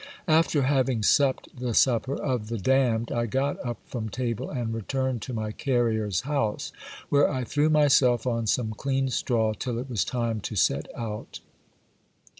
After having supped the supper of the damned, I got up from table and returned to my carrie?s house, where I threw myself on some clean straw till it was time to set out.